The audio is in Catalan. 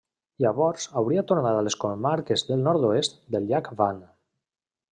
Llavors hauria tornat a les comarques del nord-oest del llac Van.